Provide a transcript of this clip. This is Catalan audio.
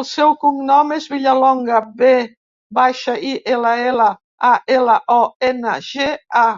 El seu cognom és Villalonga: ve baixa, i, ela, ela, a, ela, o, ena, ge, a.